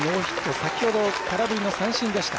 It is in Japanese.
先ほど、空振りの三振でした。